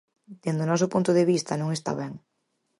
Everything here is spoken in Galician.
Dende o noso punto de vista, non está ben.